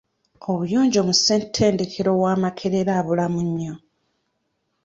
Obuyonjo mu ssetendekero wa Makerere abulamu nnyo